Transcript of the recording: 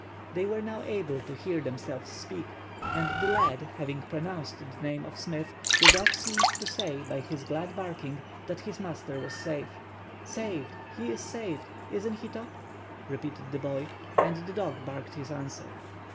They were now able to hear themselves speak, and the lad having pronounced the name of Smith, the dog seemed to say by his glad barking that his master was safe. "Saved! He is saved! Isn't he, Top?" repeated the boy. And the dog barked his answer.